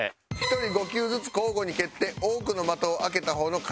１人５球ずつ交互に蹴って多くの的を開けた方の勝ちでございます。